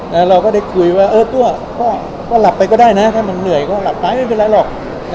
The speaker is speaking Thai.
แล้วเราก็ได้คุยว่าเออตัวก็หลับไปก็ได้นะถ้ามันเหนื่อยก็หลับไปไม่เป็นไรหรอก